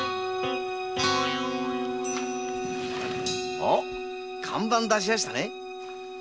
オッ看板出しやしたね。